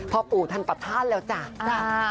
พ่อปู่ท่านประทานแล้วจ้ะจ้ะ